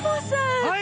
はい！